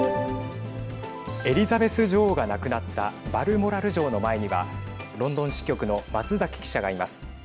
エリザベス女王が亡くなったバルモラル城の前にはロンドン支局の松崎記者がいます。